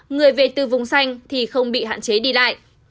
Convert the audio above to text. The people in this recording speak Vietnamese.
người về từ vùng xanh thì không bị hạn chế đi lại